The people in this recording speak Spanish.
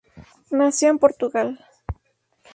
Nació en Portugal.